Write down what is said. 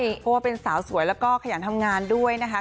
เพราะว่าเป็นสาวสวยแล้วก็ขยันทำงานด้วยนะคะ